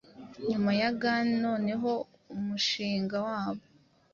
nyuma ya gan noneho umushinga wabo